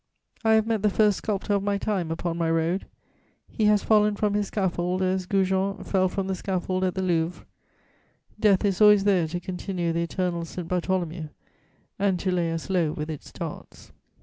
I have met the first sculptor of my time upon my road; he has fallen from his scaffold, as Goujon fell from the scaffold at the Louvre: death is always there to continue the eternal St. Bartholomew and to lay us low with its darts.